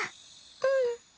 うん。